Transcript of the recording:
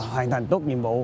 hoàn thành tốt nhiệm vụ